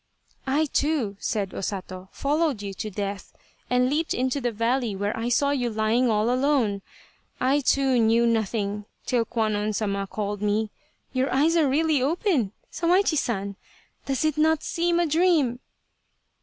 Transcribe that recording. " I, too," said O Sato, " followed you to death and leaped into the valley where I saw you lying all alone. I, too, knew nothing till Kwannon Sama called me. Your eyes are really open, Sawaichi San ! Does it not seem a dream